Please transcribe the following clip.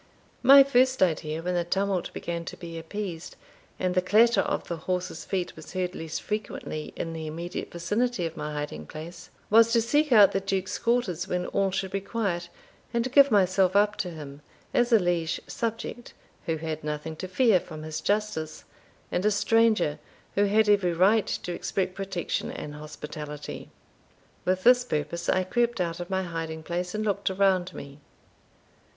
My first idea, when the tumult began to be appeased, and the clatter of the horses' feet was heard less frequently in the immediate vicinity of my hiding place, was to seek out the Duke's quarters when all should be quiet, and give myself up to him, as a liege subject, who had nothing to fear from his justice, and a stranger, who had every right to expect protection and hospitality. With this purpose I crept out of my hiding place, and looked around me.